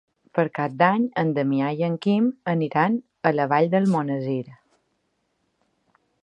Per Cap d'Any en Damià i en Quim aniran a la Vall d'Almonesir.